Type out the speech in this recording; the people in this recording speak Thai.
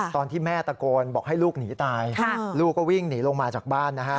ตอนที่แม่ตะโกนบอกให้ลูกหนีตายลูกก็วิ่งหนีลงมาจากบ้านนะฮะ